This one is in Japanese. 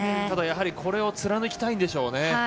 ただ、やはりこれを貫きたいんでしょうね。